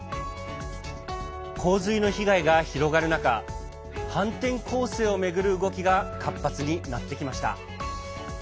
洪水の被害が広がる中反転攻勢を巡る動きが活発になってきました。